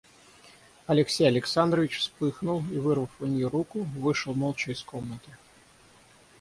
Алексей Александрович вспыхнул и, вырвав у нее руку, вышел молча из комнаты.